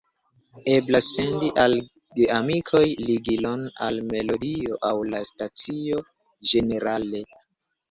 Eblas sendi al geamikoj ligilon al melodio aŭ la stacio ĝenerale.